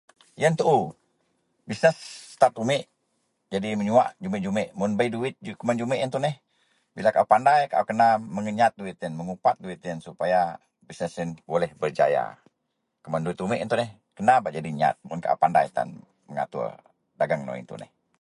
Yian too keman start umek menyua jumek-jumek duit keman jumek-jumek yian tuneh bila kaau pandai kaau kena mengenyat duit yian jumek-jumek berjaya keman duit umek yian tuneh kena bak jadi nyat mun kaau pandai tan mengatur dagen duit nou yian tuneh.